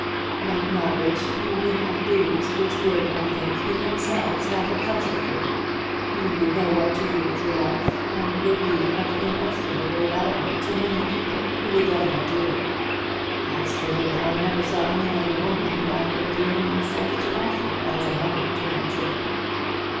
But, Margaret, you would have duties which would, I think, in themselves, have a pleasure for you. You would know what to do with your life, and would be of inestimable value to many people who would love you dearly. As for me, I never saw any other woman whom I could bring myself to offer as a mother to my children."